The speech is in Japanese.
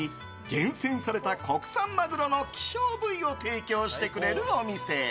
厳選された国産マグロの希少部位を提供してくれるお店。